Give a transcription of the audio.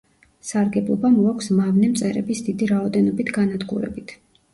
სარგებლობა მოაქვს მავნე მწერების დიდი რაოდენობით განადგურებით.